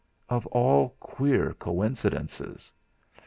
Of all queer coincidences!